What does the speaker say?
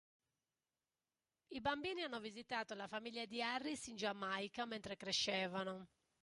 I bambini hanno visitato la famiglia di Harris in Giamaica mentre crescevano.